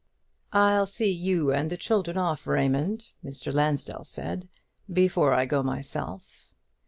"I'll see you and the children off, Raymond," Mr. Lansdell said, "before I go myself."